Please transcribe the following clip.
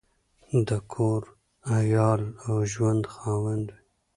د کور، عیال او ژوند خاوند وي.